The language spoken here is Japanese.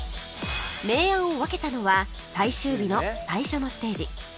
明暗を分けたのは最終日の最初のステージ